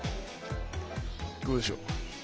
どうでしょう？